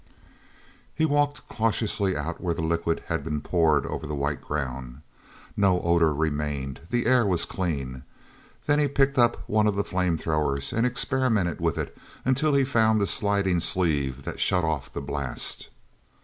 He walked cautiously out where the liquid had been poured over the white ground. No odor remained; the air was clean. Then he picked up one of the flame throwers and experimented with it until he found the sliding sleeve that shut off the blast.